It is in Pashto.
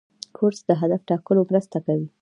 کورس د هدف ټاکلو مرسته کوي.